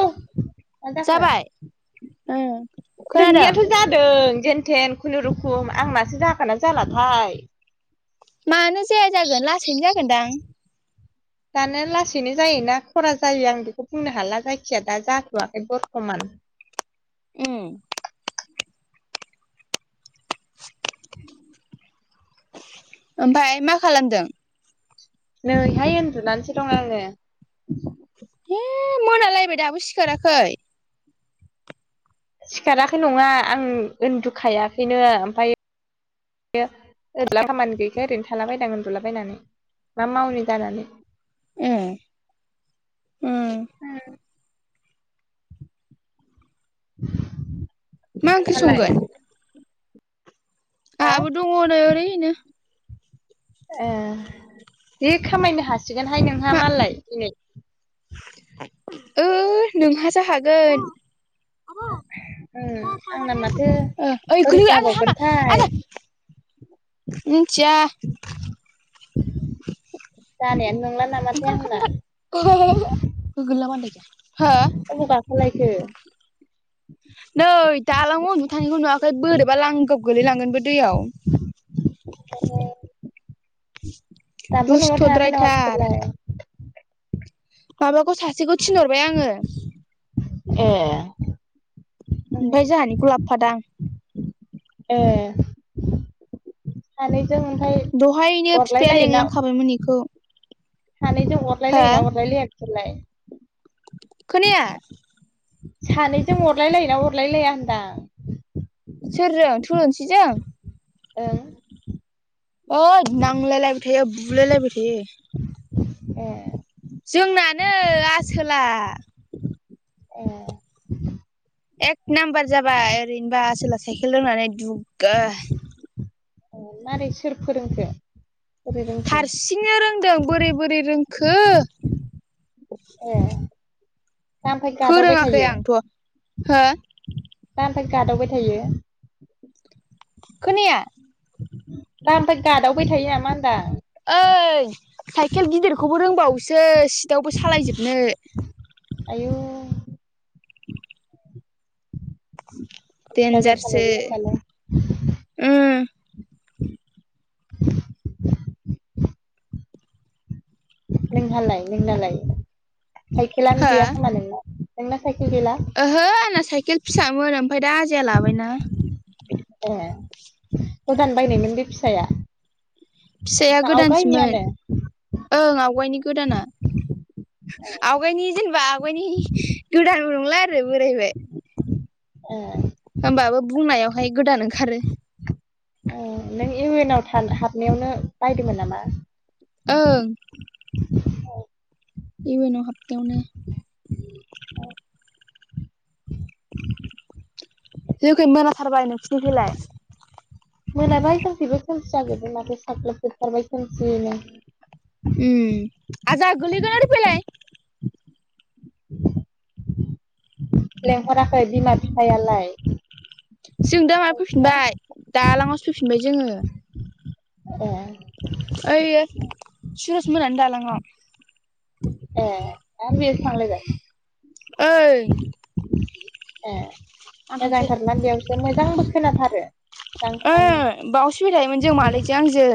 मा जाखो? जाबाय? खोनादों? नोंनियाथ' जादों जेनथेन खुनुरुखुम। आंनासो जाखोना जालाथाय? मानो जाया जागोन लासैनो जागोनदां। दानो लासैनो जायोना खरा जायो आं बेखौ बुंनो हाला जायखिजाया दा जाथ'वाखै बर्थ'मान। ओ। ओमफ्राय मा खालामदों? नै हाय उन्दुनानैसो दं आङो। हे मोनालायबाय दाबो सिखाराखै। सिखाराखै नङा आं उन्दुखायाखैनो। ओमफ्राय बे ओरैनो खामानि गैयैखो ओरैनो थालाबायदां उन्दुलाबायनानै मा मावनि जानानै। ए। ओ। [unintelligible] मा ओंख्रि नोंहालाय संगोन? हा आहाबो दङ नै ओरैनो ए बे खामायनो हासिगोनहाय नोंहा मा मालाय दिनै। ओ नोंहासो हागोन। [unintelligible] आंना माथो ओइ बोरै गोलैयो हामा आबा जाबावगोनथाय आबा। मिथिया जानायानो नंला नामाथाय आंना। [unintelligible] अबाव गाखोलायखो? नै दालाङाव उन्दुना थानायखौ नुवाखै बोरैबा लांगाब गोलैलांगोनबो दैयाव। [unintelligible] दाबो नवाव थाङाखै नामा दुस्थ'द्रायथार बिसोरलाय? माबाखौ सासेखौ थिनहरबाय आङो। ए। ओमफ्राय जोंहानिखौ लाबोफादां। ए। सानैजों ओमफ्राय अरलाय लायोना। हाबायमोन बेखौ। सानैजों अरलायलायोना अरलायलाया बिसोरलाय खोनाया। सानैजों अरलाय लायोना अरलायलाया होनदां। सोरजों थुलुंसिजों? ओं। ओइद नांलायलायबाय थायो बुलायलायबाय थायो। ए। जोंनानो आसोला। ए। एक नाम्बार जाबाय ओरैनोबा आसोला साइकेल रोंनानै दुगा। मारै सोर फोरोंखो? बोरै रोंखो हारसिंनो रोंदों बोरै बोरै रोंखो। ए। दा ओमफाय गादावबाय फोरोङाखै थायो आंथ' हो दा ओमफाय गादावबाय थायो। खोनाया दा ओमफाय गादावबाय थायो नामा होनदां। ओइ साइकेल गिदिरखौबो रोंबावोसो सिटावबो सालायजोबनो। आयौ। [unintelligible] जाथारबाय देनजारसो बे होनबालाय उम। नोंहालाय नोंनालाय साइकेलानो हो गैया खोमा नोंना नोंना साइकेल गैला। ओहो आंना साइकेल फिसामोन ओमफाय दा आजाया लाबायना। ए गोदान बायनायमोन बे फिसाया? फिसाया ना गोदानसोमोन आवगायनियानो ओं आवगायनि गोदाना। आवगायनि जेनेबा आवगायनि गोदानबो नंला आरो बोरायबाय। ए। होमबाबो बुंनायावहाय गोदान ओंखारो। उम नों इउ एन आव था हाबनायावनो बायदोंमोन नामा? ओं। इउ एनाव हाबनायावनो। औ [unintelligible] जोंखौै मोनाथारबाय नोंसिनिखैलाय। मोनाबाय जोंथिबो खोमसि जाजोबाय माथो साख्लबजोबथारबाय खोमसियैनो। उम आजा गोलैगोन ओरै फैलाय। लेंहराखै बिमा बिफायालाय। जों दा माय नोंसिना फैफिनबाय दालांङावसो फैफिनबाय जोंङो। ए। ओययो सुरस मोननानि दालांआव। ए आरो बेयावसो थांलायबाय [unintelligible] ऐ। ए मोजांथारमोन बेयावसो मोजांबो खोनाथारो। ओ स्रांनो बावसो फैबाय थायोमोन जों मादैजों आंजों।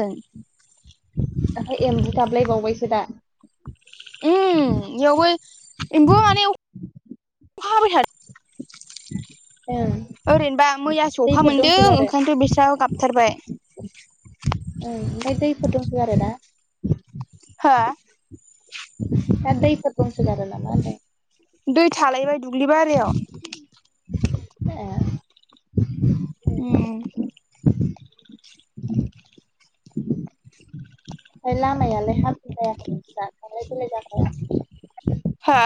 ओहै एम्बु गाबलायबावबायसो दा। उम इयावबो एम्बु माने अखा हाबाय थादों उम। ओरैनोबा मैयासो अखा मोनदों ओंखायनोथ' बिस्रा गाबथारबाय। ओ ओमफाय दैफोर दंसो गारोना? हा। दा दैफोर दंसो गारो नामा होनदों दै थालायबाय दुब्लि बारियाव। ए। उम। ओमफाय लामायालाय हाब्रु जायाखै नोंसिना थांलाय फैलाय जाग्राया? हा?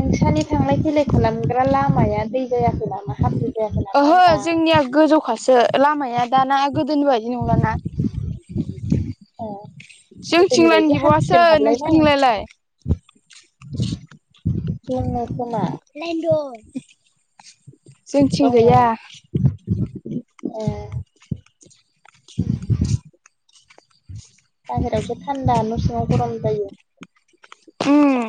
नोंसानि थांलाय फैलाय खालामग्रा लामाया दै जायाखै नामा हाब्रु जायाखै नामा ओहो होनदां जोंनिया गोजौखासो लामाया दाना गोदोनि बाय ए गोदोनि बायदि हान्थुसिम हाबलायनाय [unintelligible] [unintelligible] [unintelligible] [unintelligible] जोंथिं ए गैया ए बाहेरायावथ' थान्दा न' सिंङाव गरम जायो। उम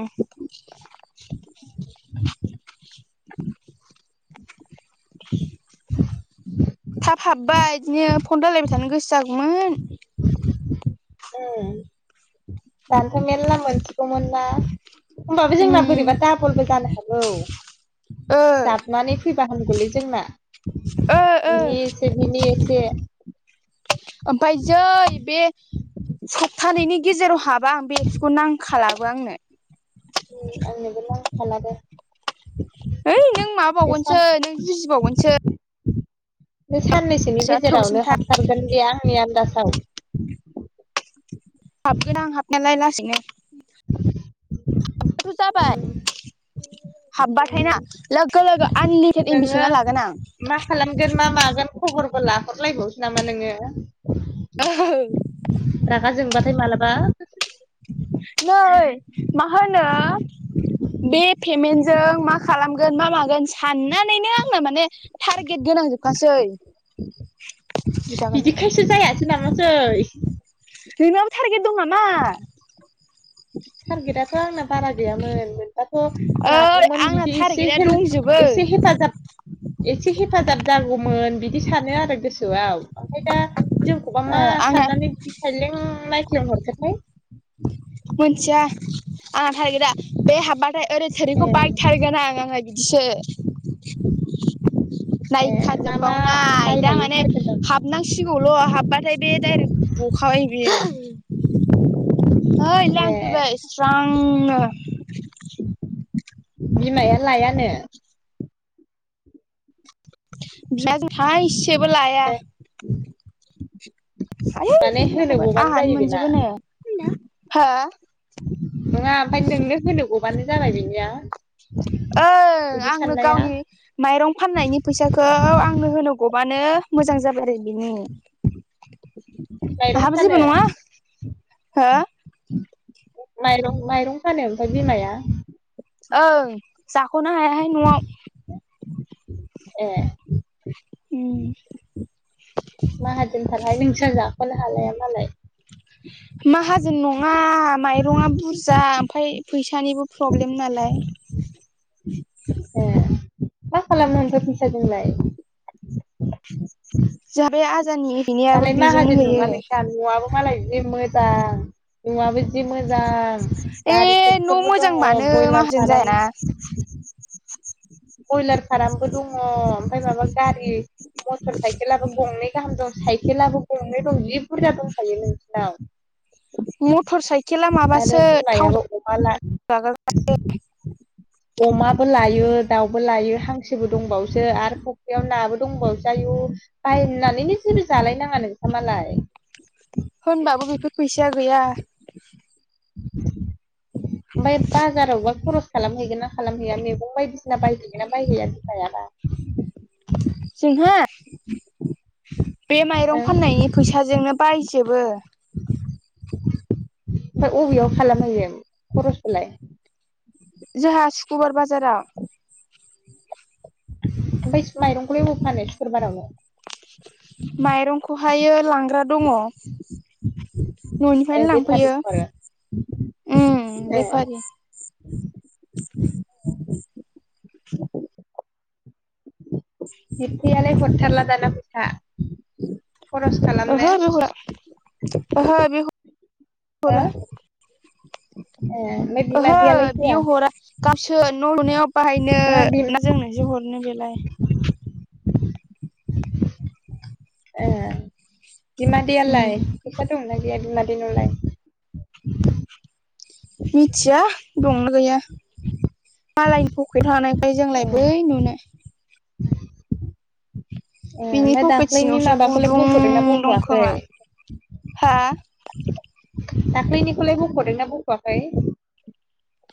[unintelligible] थाब हाबबाय बिदिनो फन रायलायबाय थानो गोसो जागौमोन। उम। दानथ' मेलला मोनसिगौमोन ना? होमबाबो जोंना उम बोरैबा दाबलबो जानो हागौ। ओ जाबनानै फैबा हामगौलै जोंना। ओ ओ बिनि एसे बिनि एसे ओमफाय जै बे सपथानैनि गेजेरावहाब [unintelligible] नांखालाबो आंनो। उम आंनोबो नांखाला दा। उइ नों सान माबावगोनसो नों जुजिबावगोनसो बे साननैसोनि गोसोआ गेजेरावनो थौलेसिनथार हाबथारगोन दे आंनि आन्दाजाव। हाबगोन आं हाबनायालाय लासैनो हाबबाथ' जाबाय। हाबबाथाय ना लोगो लोगो आनलिमिटेड एम बि नोङो सोना लागोन आं। मा खालामगोन मा मागोन खबरबो लाहरलायबावसो नामा नोङो? रागा जोंबाथाय मालाबा नै मा होनो बे पेमेन्टजों मा खालाम गोन मा मागोन साननानैनो आंना माने टारगेट गोनां जोब बिदिखायसो [unintelligible] जायासै नामासै नोंनाबो थारगेट दं नामा? टारगेटाथ' आंना बारा गैयामोन। दाथ' ओइ लागोमोन आंना बिदि एसे टारगेटआ दंजोबो हेल्प एसे हेफाजाब एसे हेफाजाब जागौमोन बिदि सानो आरो गोसोआव ओमफ्राय दा जों [unintelligible] ओ मा आंना साननानै दि खायलें नायख्लें हरखोथाय? मोनथिया [unintelligible] बेे हाबबाथाय ओरै ए थोरिखौ बायथारगोन आं आंना बिदिसो। ए मा मा नायखाजोबबावनाय दा बायनायनि माने टारगेट दं हाब नांसिगौल' हाबबाथाय बे डाइरेक्ट बखाबाय बियो। ए [unintelligible] स्रांनो। बिमाया लायानो। [unintelligible] थाइसेबो लाया। [unintelligible] [unintelligible] माने होनो गबानो आंहानो जायो बेना मोनजोबो नो हो नङा ओमफाय नोंनो होनो गबानो जाबाय बिनिया ओ आंनो गावनि माइरं फाननायनि फैसाखौ आंनो होनो गबानो मोजां जाबाय आरो बिनो। माइरं आंहाबो जेबो फानो नङा हो? माइरं माइरं फानो ओमफ्राय बिमाया ओं जाख'नो हायाहाय न'आव। ए उम माहाजोनथारहाय नोंसा जाख'नो हालाया मालाय। [inaudible] माहाजोन नङा माइरंआ बुरजा ओमफ्राय फैसानिबो प्रब्लेम नालाय। ए मा खालामनो ओमफाय फैसाजोंलाय? जों [unintelligible] हैैनायाबो दालाय बेजोंनो माहाजोन होयो। नङा नोंसा न'आबो मालाय जि मोजां न'आबो जि मोजां। ए गारि न' ट्रेक्टरबो दङ मोजांबानो ब्रयलार माहाजोन फाराम जायाना बयलार फारामबो दङ ओमफ्राय माबा गारि मटर साइकेलाबो गंनै गाहाम दं साइकेलाबो गंनै दं जि बुरजा दंखायो नोंसिनाव। मटर साइकेला आरो माबासो थाव बिमायाबो अमा ला जागोन। अमाबो लायो दाउबो लायो हांसोबो दंबावसो आरो फख्रियाव नाबो दंबावोसो आयु। बायनानैनो जेबो जालायनाङा नोंसा मालाय। होनबाबो बेफोर फैसाया गैया। ओमफाय बाजारावबा खरस खालामहैगोन ना खालामहैया मैगं बायदिसिना बायहैगोन ना बायहैया बिफायाबा। जोंहा बे माइरं ओं फाननायनि फैसाजोंनो बायजोबो। ओमफ्राय अबेयाव खालामहोयो खरसखौलाय? जोंहा सुक्रुबार बाजाराव। ओमफ्राय माइरंखौलाय अबाव फानो सुकुर बारावलाय? माइरंखौहायो लांग्रा दङ। ए न'निफ्रायनो लांफैयो बेफारिफोर ओम ए बेफारि। बिबथियालाय हरथारला दाना फैसा। खरस खालामनो ओहो बि हरा ओहो बि हरा। औ ओहो बियो हरा। गावसो न' लुनायाव बाहायनो नङा बि ना जोंनोसो हरनो बेलाय। ए बिमादैयालाय उम फैसा दं ना गैया बिमादै नावलाय? मिथिया दंना गैया। मालायनि पकेट थानायखौलाय जोंलाय बै ए नुनो। ओ बिनि ओमफ्राय पकेट दाख्लैनि सिङावसो माबाखौलाय गुदुं बख'दोंना दं बख'वाखै? खोमा हा दाख्लैनिखौलाय बख'दोंना बख'वाखै?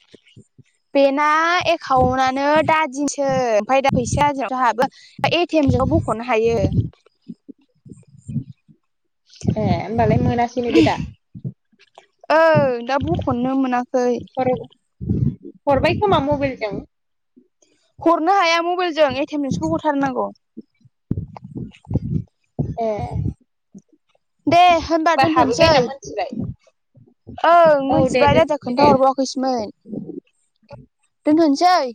[inaudible] बेना एकाउन्टानो दादिनिसो ओमफ्राय दा फैसाया ओजोंहायसो हाबो। एटिएमजों बख'नो हायो। ए होमबालाय मोनासैनो बे दा। ओ दा बखननो मोनाखै। हरबाय खोमा मबेयलजों। हरनो हाया मबाइलजों एटएमजोंसो बख'थारनांगौ। ए दे होम बा हाबैबाय होनना मोनथिबाय? ओं औ दे मिथिबाय राजा दोनथ'सै खोन्था दे हरबावाखैसोमोन। दोनथ'निसैै।